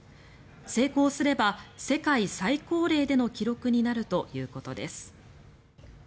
成功すれば世界最高齢での記録になるということです。